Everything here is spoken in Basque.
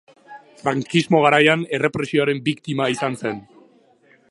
Frankismo garaian errepresioaren biktima izan zen.